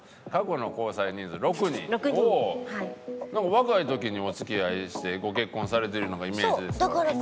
若い時にお付き合いしてご結婚されてるイメージですから。